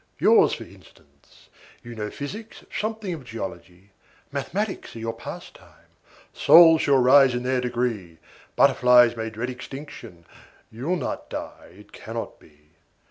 "Yours, for instance: you know physics, something of geology, Mathematics are your pastime; souls shall rise in their degree; Butterflies may dread extinction, you'll not die, it cannot be!